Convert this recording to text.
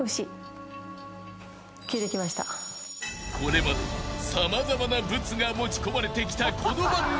［これまで様々なブツが持ち込まれてきたこの番組］